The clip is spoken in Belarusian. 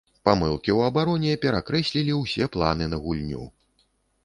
Памылкі ў абароне перакрэслілі ўсе планы на гульню.